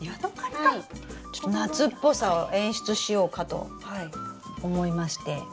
ちょっと夏っぽさを演出しようかと思いまして。